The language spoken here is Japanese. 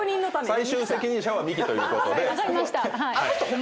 最終責任者はミキということで。